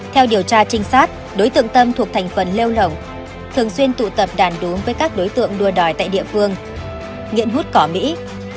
theo điều tra trinh sát đối tượng tâm thuộc thành phần lêu lỏng thường xuyên tụ tập đàn đúng với các đối tượng đua đòi tại địa phương nghiện hút cỏ mỹ